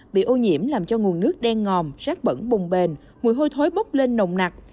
bị ô nhiễm làm cho nguồn nước đen ngòm sát bẩn bùng bền mùi hôi thối bốc lên nồng nặc